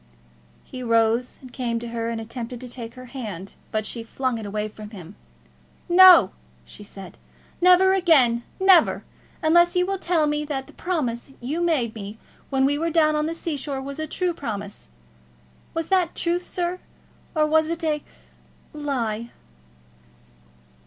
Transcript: He rose and came to her, and attempted to take her hand, but she flung away from him. "No!" she said "never again; never, unless you will tell me that the promise you made me when we were down on the sea shore was a true promise. Was that truth, sir, or was it a lie?"